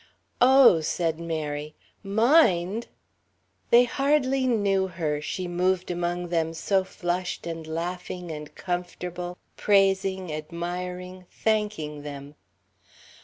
"Oh," Mary said, "mind!" They hardly knew her, she moved among them so flushed and laughing and conformable, praising, admiring, thanking them.